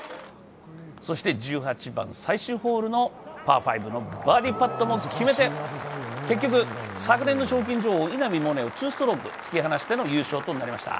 そして１８番、最終ホールのパー５のバーディーパットも決めて、結局、昨年の賞金女王・稲見萌寧を２ストローク突き放しての優勝となりました。